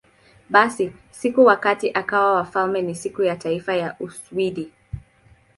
Basi, siku wakati akawa wafalme ni Siku ya Taifa ya Uswidi.